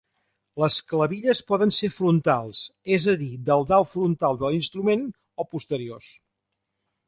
Les clavilles poden ser frontals, és a dir del dau frontal de l'instrument, o posteriors.